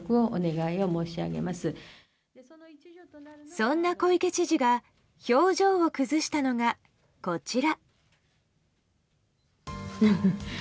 そんな小池知事が表情を崩したのが、こちら。